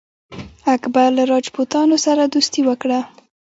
اکبر له راجپوتانو سره دوستي وکړه.